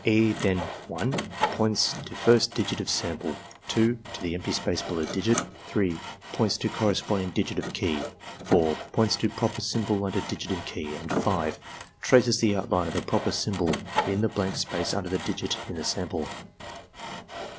E. then (1) points to first digit of sample, (2) to the empty space below digit, (3) points to corresponding digit of key, (4) points to proper symbol under digit in key, and (5) traces the outline of the proper symbol in the blank space under the digit in the sample.